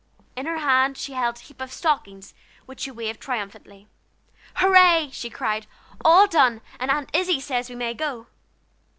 In her hand she held a heap of stockings, which she waved triumphantly. "Hurray!" she cried, "all done, and Aunt Izzie says we may go.